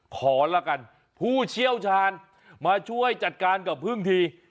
ละกันผู้เชี่ยวชาญมาช่วยจัดการกับพึ่งที